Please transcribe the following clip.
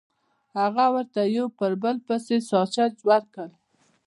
هغه ورته یو په بل پسې ساسج ورکړل